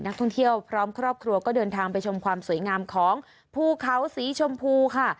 นักท่องเที่ยวพร้อมครอบครัวก็เดินทางไปชมความสวยงามของภูเขาสีชมพูค่ะ